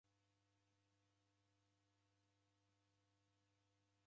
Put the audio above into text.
Imu ya mburi iro ni ya chopwa.